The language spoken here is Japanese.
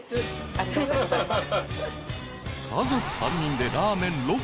ありがとうございます。